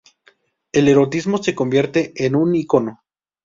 El erotismo se convierte en un icono.